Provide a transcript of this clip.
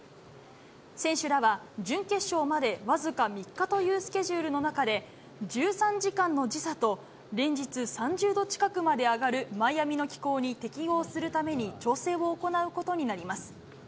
選手らは準決勝まで僅か３日というスケジュールの中で、１３時間の時差と、連日３０度近くまで上がるマイアミの気候に適応するために調整を行うことになります。